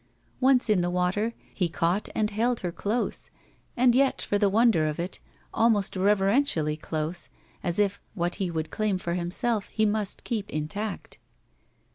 Once in the water, he caught and held her dose, and yet, for the wonder of it, almost reverentially close, as if what he would claim for himself he must keep intact.